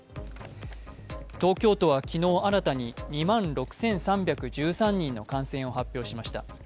東京都は昨日新たに２万６３１３人の感染を発表しました。